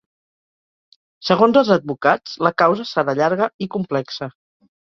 Segons els advocats la causa serà llarga i complexa.